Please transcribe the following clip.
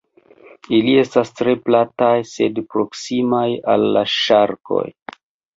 Ili estas tre plataj sed proksimaj al la ŝarkoj.